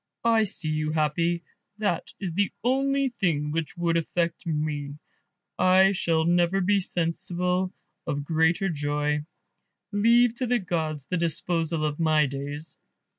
I see you happy, that is the only thing which would affect me; I shall never be sensible of greater joy; leave to the gods the disposal of my days."